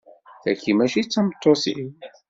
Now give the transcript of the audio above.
Taki mačči d tameṭṭut-iw.